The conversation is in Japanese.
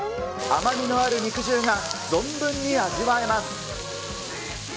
甘みのある肉汁が存分に味わえます。